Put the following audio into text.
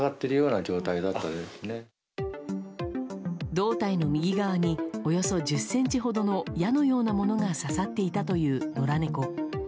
胴体の右側におよそ１０ｃｍほどの矢のようなものが刺さっていたという野良猫。